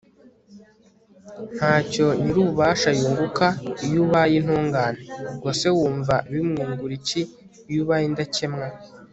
nta cyo nyir'ububasha yunguka iyo ubaye intungane, ubwo se wumva bimwungura iki iyo ubaye indakemwa